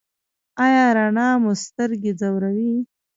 ایا رڼا مو سترګې ځوروي؟